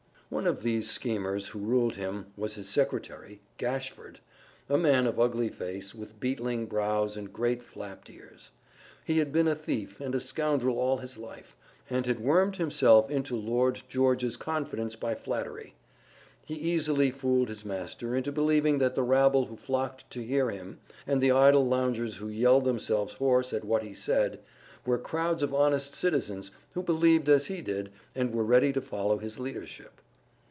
One of these schemers who ruled him was his secretary, Gashford, a man of ugly face, with beetling brows and great flapped ears. He had been a thief and a scoundrel all his life, and had wormed himself into Lord George's confidence by flattery. He easily fooled his master into believing that the rabble who flocked to hear him, and the idle loungers who yelled themselves hoarse at what he said, were crowds of honest citizens who believed as he did, and were ready to follow his leadership.